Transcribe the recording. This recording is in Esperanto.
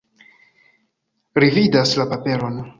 Ri vidas la paperon.